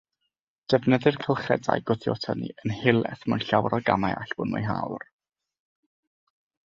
Defnyddir cylchedau gwthio-tynnu yn helaeth mewn llawer o gamau allbwn mwyhäwr.